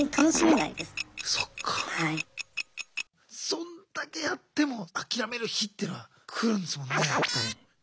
そんだけやっても諦める日っていうのは来るんですもんね。